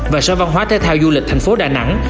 và sở văn hóa thể thao du lịch thành phố đà nẵng